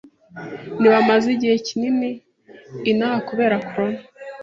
Ntibamaze igihe kinini inaha kubera corona